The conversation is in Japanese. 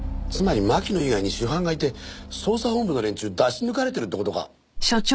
つまり槙野以外に主犯がいて捜査本部の連中出し抜かれてるって事か？